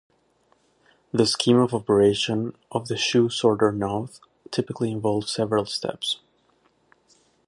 The scheme of operation of the shoe sorter node typically involves several steps.